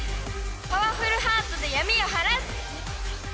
パワフルハートで闇を晴らす！